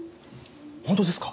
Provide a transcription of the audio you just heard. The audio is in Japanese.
本当ですか？